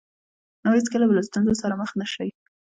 نو هېڅکله به له ستونزو سره مخ نه شئ.